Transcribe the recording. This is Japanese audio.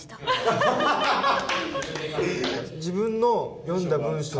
自分の読んだ文章に。